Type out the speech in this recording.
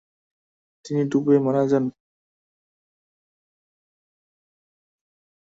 তিনি ডুবে মারা যান।